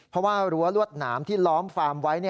เพราะว่ารั้วรวดหนามที่ล้อมฟาร์มไว้